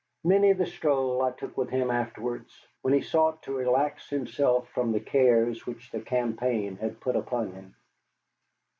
Many the stroll I took with him afterwards, when he sought to relax himself from the cares which the campaign had put upon him.